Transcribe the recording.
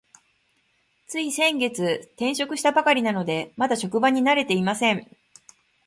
つい先月、転職をしたばかりなので、まだ職場に慣れていません。